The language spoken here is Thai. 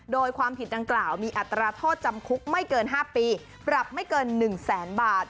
โดยความผิดดังกล่าวมีอัตราโทษจำคุกไม่เกิน๕ปีปรับไม่เกิน๑แสนบาท